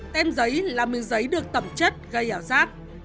tem giấy là mì giấy được tẩm chất gây ảo giác